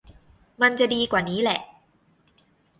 มันจะดีกว่านี้แหละ